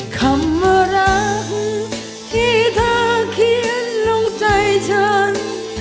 คำว่ารักที่เธอเขียนลงใจฉัน